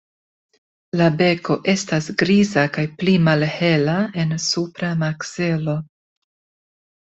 La beko estas griza kaj pli malhela en supra makzelo.